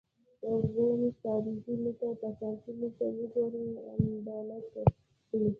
ويم سانتي متر په سانتي متر وګروئ امدلته دي.